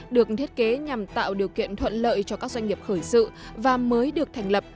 được thiết kế nhằm tạo điều kiện thuận lợi cho các doanh nghiệp khởi sự và mới được thành lập